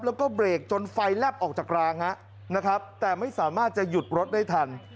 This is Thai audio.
แล้วก็เบรกจนไฟแลบออกจากรางฮะนะครับแต่ไม่สามารถจะหยุดรถได้ทัน